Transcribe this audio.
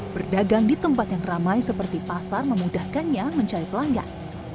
berdagang di tempat yang ramai seperti pasar memudahkannya mencari pelanggan